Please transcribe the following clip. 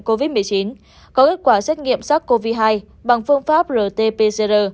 covid một mươi chín có kết quả xét nghiệm sars cov hai bằng phương pháp rt pcr